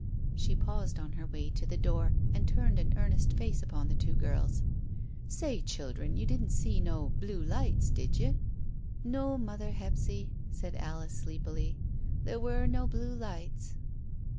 She paused on her way to the door, and turned an earnest face upon the two girls. "Say, children, you didn't see no blue lights, did ye?" "No, mother Hephzy," said Alice sleepily. "There were no blue lights."